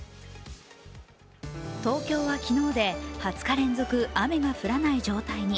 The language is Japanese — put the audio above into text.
東京は昨日で２０日連続雨が降らない状態に。